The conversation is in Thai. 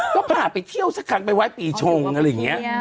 ก็พาไปเที่ยวสักครั้งไปไหว้ปีชงอะไรอย่างนี้